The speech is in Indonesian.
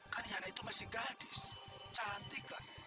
kan yana itu masih gadis cantik kan